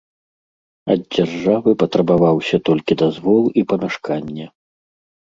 Ад дзяржавы патрабаваўся толькі дазвол і памяшканне.